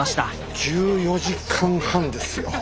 １４時間半ですよ。